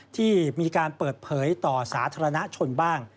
ที่มีการเปิดเผยต่อสาธารณชนบ้าง